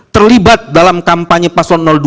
terlibat dalam kampanye paslon dua